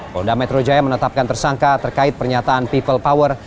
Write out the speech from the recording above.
polda metro jaya menetapkan tersangka terkait pernyataan people power